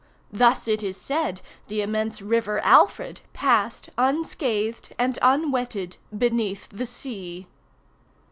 Thus it is said the immense river Alfred passed, unscathed, and unwetted, beneath the sea.